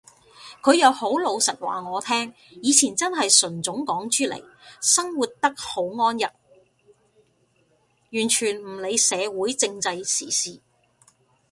佢又好老實話我聽，以前真係純種港豬嚟，生活得好安逸，完全唔理社會政制時事